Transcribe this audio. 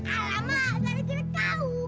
alamak gak ada gini kau